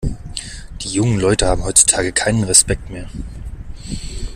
Die jungen Leute haben heutzutage keinen Respekt mehr!